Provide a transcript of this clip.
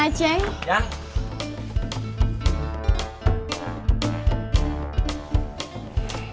waalaikumsalam kang aceh